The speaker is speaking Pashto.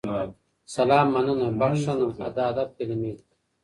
سلام، مننه، بخښنه د ادب کلیمې دي.